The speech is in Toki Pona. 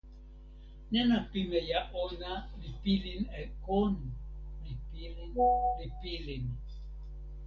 nena pimeja ona li pilin e kon, li pilin, li pilin.